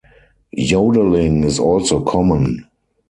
Yodeling is also common.